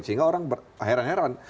sehingga orang heran heran